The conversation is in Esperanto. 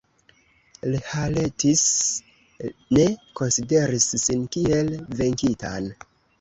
Rhalettis ne konsideris sin kiel venkitan.